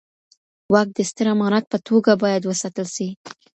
واک د ستر امانت په توګه بايد وساتل سي.